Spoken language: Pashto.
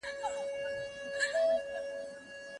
زوی بېرته کور ته راتله.